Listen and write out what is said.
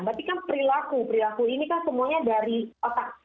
berarti kan perilaku perilaku ini kan semuanya dari otak